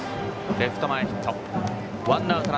レフト前ヒット。